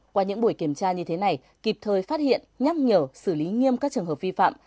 qua những buổi kiểm tra như thế này kịp thời phát hiện nhắc nhở xử lý nghiêm các trường hợp vi phạm